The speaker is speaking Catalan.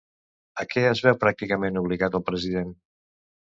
A què es veu pràcticament obligat el president?